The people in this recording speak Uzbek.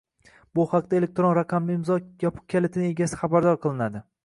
bu haqda elektron raqamli imzo yopiq kalitining egasi xabardor qilinadi.